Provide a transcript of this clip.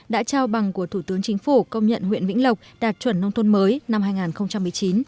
đã trao bằng của thủ tướng chính phủ công nhận huyện vĩnh lộc đạt chuẩn nông thôn mới năm hai nghìn một mươi chín